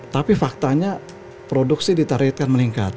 tapi faktanya produksi ditargetkan meningkat